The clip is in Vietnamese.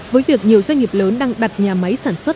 với việc nhiều doanh nghiệp lớn đang đặt nhà máy sản xuất